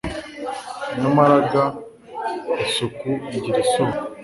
nyamara ga isuku igira isoko